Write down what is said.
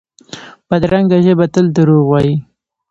بدرنګه ژبه تل دروغ وايي